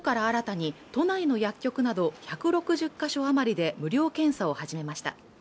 きょうから新たに都内の薬局など１６０か所余りで無料検査を始めました